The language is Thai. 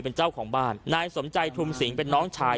เป็นเจ้าของบ้านนายสมใจทุมสิงเป็นน้องชาย